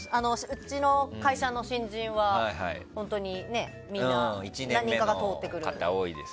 うちの会社の新人は本当にみんな通ってくる。